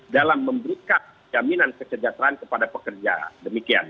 dalam memberikan jaminan kesejahteraan kepada pekerja demikian